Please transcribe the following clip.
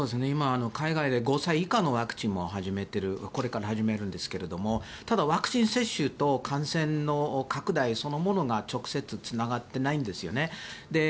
今、海外で５歳以下のワクチンもこれから始めるんですがただ、ワクチン接種と感染の拡大そのものが直接つながっていないんですよね。